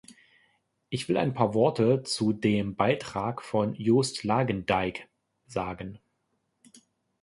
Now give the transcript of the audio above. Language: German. Ich will ein paar Worte zu dem Beitrag von Joost Lagendijk sagen.